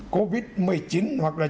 covid một mươi chín hoặc là